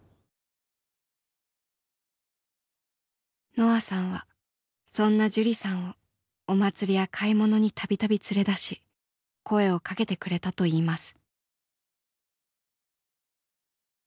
のあさんはそんなジュリさんをお祭りや買い物に度々連れ出し声をかけてくれたといいます。